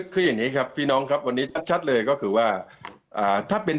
คืออย่างนี้ครับพี่น้องครับวันนี้ชัดเลยก็คือว่าถ้าเป็น